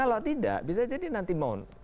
kalau tidak bisa jadi nanti mau